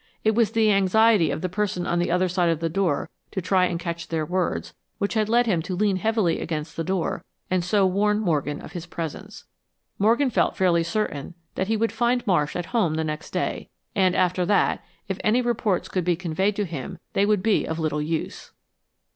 It was the anxiety of the person on the other side of the door to try and catch their words which had led him to lean heavily against the door and so warn Morgan of his presence. Morgan felt fairly certain that he would find Marsh at home the next day, and after that, if any reports could be conveyed to him, they would be of little use.